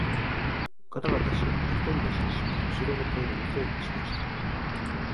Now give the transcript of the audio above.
がたがたしながら一人の紳士は後ろの戸を押そうとしましたが、